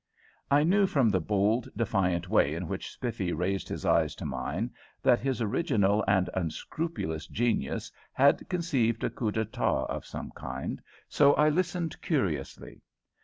I knew from the bold defiant way in which Spiffy raised his eyes to mine that his original and unscrupulous genius had conceived a coup d'état of some kind, so I listened curiously.